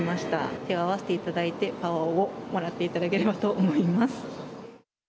手を合わせていただいてパワーをもらっていただければと思います。